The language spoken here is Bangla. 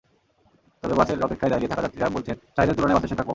তবে বাসের অপেক্ষায় দাঁড়িয়ে থাকা যাত্রীরা বলছেন, চাহিদার তুলনায় বাসের সংখ্যা কম।